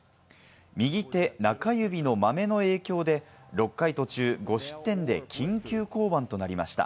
右手中指のマメの影響で６回途中、５失点で緊急降板となりました。